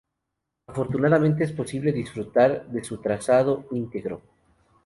Afortunadamente es posible disfrutar de su trazado íntegro.